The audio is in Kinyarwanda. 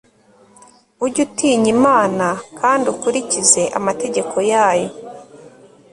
ujye utinya imana kandi ukurikize amategeko yayo